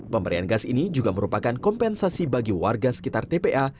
pemberian gas ini juga merupakan kompensasi bagi warga sekitar tpa